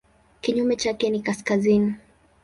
Kinyume chake ni kaskazini.